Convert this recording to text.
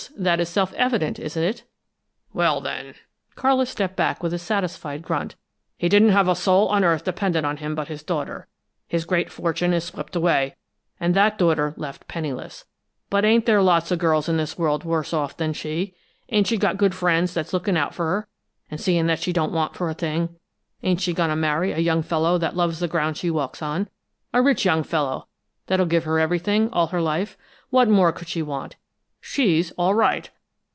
That is self evident, isn't it?" "Well, then " Carlis stepped back with a satisfied grunt. "He didn't have a soul on earth dependent on him but his daughter. His great fortune is swept away, and that daughter left penniless. But ain't there lots of girls in this world worse off than she? Ain't she got good friends that's lookin' out for her, and seein' that she don't want for a thing? Ain't she goin' to marry a young fellow that loves the ground she walks on a rich young fellow, that'll give her everything, all her life? What more could she want? She's all right.